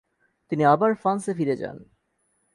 তিনি আবার ফ্রান্সে ফিরে যান।